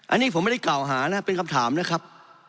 อันนี้ผมไม่ได้กล่าวหานะเป็นคำถามนะครับ